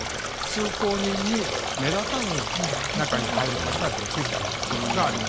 通行人に目立たずに中に入る事ができるという事がありますね。